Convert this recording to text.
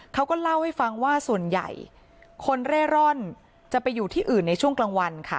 เขาก็เล่าให้ฟังว่าส่วนใหญ่คนเร่ร่อนจะไปอยู่ที่อื่นในช่วงกลางวันค่ะ